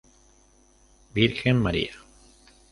Virgen María.